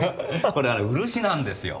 これは漆なんですよ。